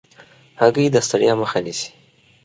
هګۍ د ستړیا مخه نیسي.